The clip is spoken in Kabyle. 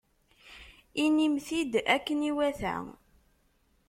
Inim-t-id akken iwata.